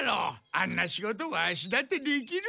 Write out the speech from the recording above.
あんな仕事ワシだってできる。